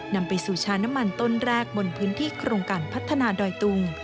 นำไปสู่ชาน้ำมันต้นแรกบนพื้นที่โครงการพัฒนาดอยตุง